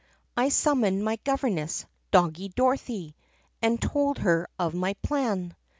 "I summoned my governess, Doggie Dorothy, and told her of my plan.